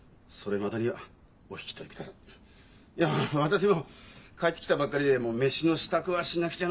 いや私も帰ってきたばっかりで飯の支度はしなくちゃ